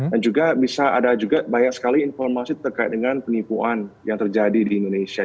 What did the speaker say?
dan juga bisa ada juga banyak sekali informasi terkait dengan penipuan yang terjadi di indonesia